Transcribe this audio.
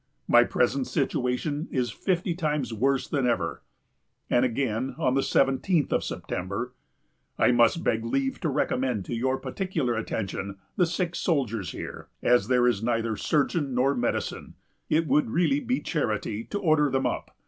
My present situation is fifty times worse than ever." And again, on the seventeenth of September: "I must beg leave to recommend to your particular attention the sick soldiers here; as there is neither surgeon nor medicine, it would really be charity to order them up.